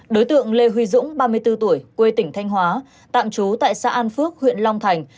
đối tượng lê huy dũng ba mươi bốn tuổi quê tỉnh thanh hóa tạm trú tại xã an phước huyện long thành